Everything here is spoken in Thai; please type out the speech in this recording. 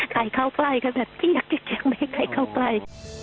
ใครเข้าไปก็แบบเยี๊ยบไม่ให้ใครเข้าไป